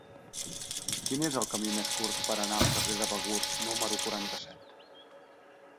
Quin és el camí més curt per anar al carrer de Begur número quaranta-set?